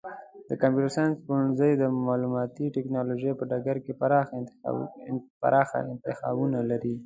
د کمپیوټر ساینس پوهنځی د معلوماتي ټکنالوژۍ په ډګر کې پراخه انتخابونه لري.